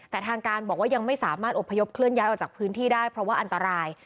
แต่ทางการบอกว่ายังไม่สามารถอบพยพเคลื่อย้ายออกจากพื้นที่ได้เพราะว่าอันตราย